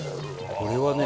これはね